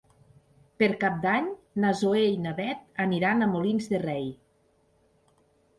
Per Cap d'Any na Zoè i na Bet aniran a Molins de Rei.